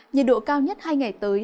nhiệt độ cao nhất hai ngày tới